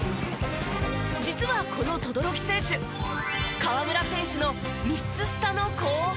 実はこの轟選手河村選手の３つ下の後輩。